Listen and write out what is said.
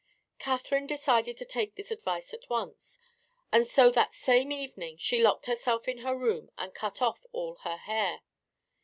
Catherine decided to take his advice at once, and so that same evening she locked herself in her room and cut off all her hair.